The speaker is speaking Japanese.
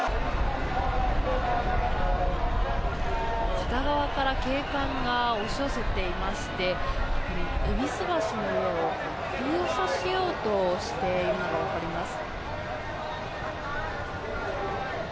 片側から警官が押し寄せていまして戎橋の上を封鎖しようとしているのが分かります。